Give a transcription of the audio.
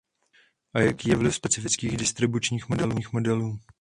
A jaký je vliv specifických distribučních modelů?